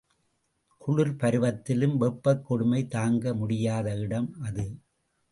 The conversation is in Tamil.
குளிர்ப் பருவத்திலும் வெப்பக் கொடுமை தாங்க முடியாத இடம் அது.